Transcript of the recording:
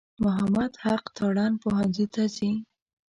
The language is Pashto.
محمد حق تارڼ پوهنځي ته ځي.